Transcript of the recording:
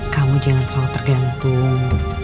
kamu jangan terlalu tergantung